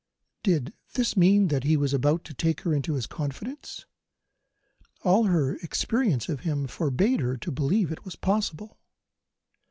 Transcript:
Did this mean that he was about to take her into his confidence? All her experience of him forbade her to believe it possible.